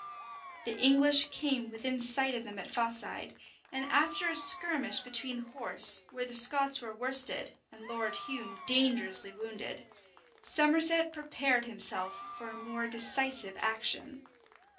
The English came within sight of them at Faside; and after a skirmish between the horse, where the Scots were worsted, and Lord Hume dangerously wounded, Somerset prepared himself for a more decisive action.